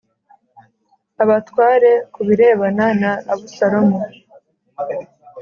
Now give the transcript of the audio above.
abatware ku birebana na Abusalomu